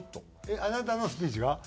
あなたのスピーチが？